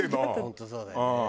本当そうだよね。